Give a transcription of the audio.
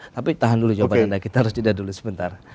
tapi tahan dulu jawaban anda kita harus jeda dulu sebentar